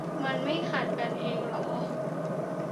มันไม่ขัดกันเองเหรอ ?